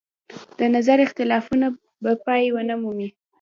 د نظر اختلافونه به پای ونه مومي.